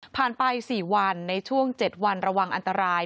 ไป๔วันในช่วง๗วันระวังอันตราย